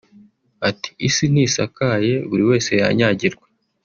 Ati “’Isi ntisakaye buri wese yanyagira’